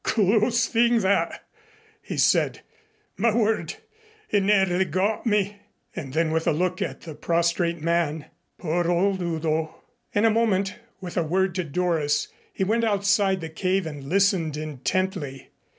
"Close thing, that!" he said. "My word! He nearly got me." And then with a look at the prostrate man, "Poor old Udo!" In a moment, with a word to Doris, he went outside the cave and listened intently.